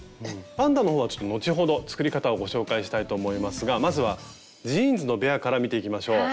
パンダのほうは後ほど作り方をご紹介したいと思いますがまずはジーンズのベアから見ていきましょう。